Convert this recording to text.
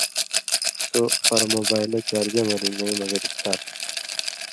سو پرہ موبائلہ چارجہ مہ رِن٘گَیں مہ گِرِفتار تُھو